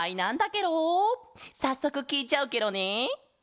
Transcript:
さっそくきいちゃうケロね！